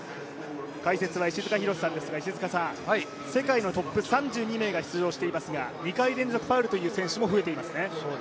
解説は石塚浩さんですが世界のトップ３２名が出場していますが２回連続ファウルという選手も増えていますね。